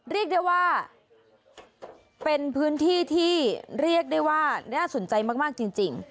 เรียกได้ว่าเป็นพื้นที่ที่เรียกได้ว่าน่าสนใจมากจริง